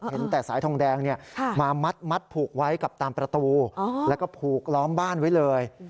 เห็นแต่สายทองแดงมามัดผูกไว้กับตามประตูแล้วก็ผูกล้อมบ้านไว้เลย